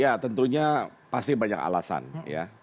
ya tentunya pasti banyak alasan ya